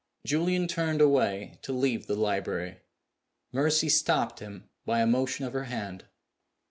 Julian turned away to leave the library. Mercy stopped him by a motion of her hand.